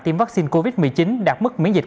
tiêm vaccine covid một mươi chín đạt mức miễn dịch